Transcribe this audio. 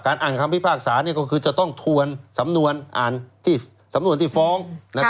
การอ่านคำพิพากษาก็คือจะต้องทวนสำนวนที่ฟ้อง